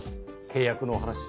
契約のお話